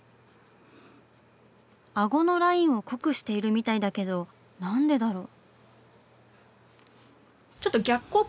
顎のラインを濃くしているみたいだけど何でだろう？